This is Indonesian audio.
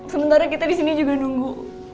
sementara kita di sini juga nunggu